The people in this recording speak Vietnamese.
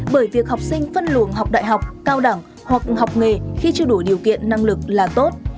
bởi việc học sinh phân luồng học đại học cao đẳng hoặc học nghề khi chưa đủ điều kiện năng lực là tốt